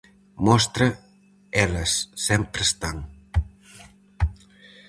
Mostra "Elas sempre están".